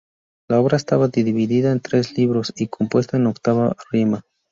La obra está dividida en tres libros y compuesta en octava rima.